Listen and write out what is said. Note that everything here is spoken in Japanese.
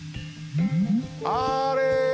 あれ！